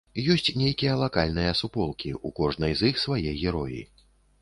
Ёсць нейкія лакальныя суполкі, у кожнай з іх свае героі.